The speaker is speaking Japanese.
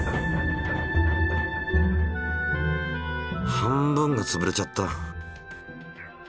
半分がつぶれちゃった。